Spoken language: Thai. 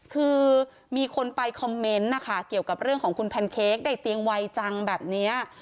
คือมีคนไปคอมเมนต์นะคะเกี่ยวกับเรื่องของคุณแพนเค้กได้เตียงไวจังแบบนี้